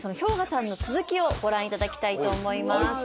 ＨｙＯｇＡさんの続きをご覧いただきたいと思います。